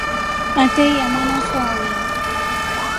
Ateiya mwanaso auye.